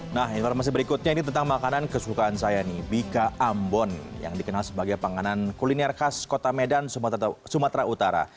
nah informasi berikutnya ini tentang makanan kesukaan saya nih bika ambon yang dikenal sebagai panganan kuliner khas kota medan sumatera utara